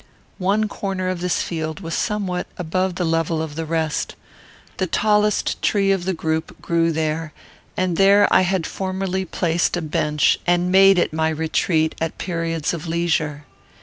One corner of this field was somewhat above the level of the rest. The tallest tree of the group grew there, and there I had formerly placed a bench, and made it my retreat at periods of leisure.